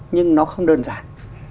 nhưng nó không đơn giản